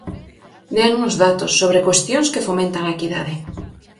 Déannos datos, sobre cuestións que fomentan a equidade.